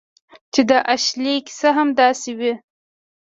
چې د اشلي کیسه هم همداسې وه